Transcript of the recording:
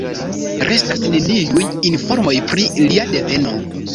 Restas neniuj informoj pri lia deveno.